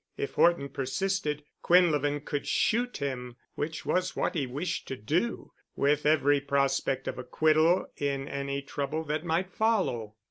If Horton persisted, Quinlevin could shoot him (which was what he wished to do), with every prospect of acquittal in any trouble that might follow.